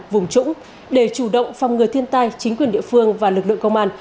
vùng trũng để chủ động phòng ngừa thiên tai chính quyền địa phương và lực lượng công an